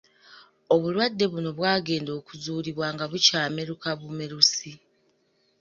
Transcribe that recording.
Obulwadde buno bwagenda okuzuulibwa nga bukyameruka bumerusi.